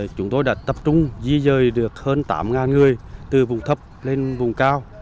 chúng tôi đã tập trung di dời được hơn tám người từ vùng thấp lên vùng cao